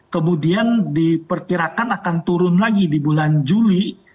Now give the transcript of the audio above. kemudian diperkirakan akan turun lagi di bulan juli